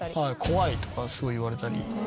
怖いとかすごい言われたり。